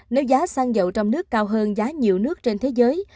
nếu giá xăng dầu trong nước cao hơn giá nhiều nước trên thế giới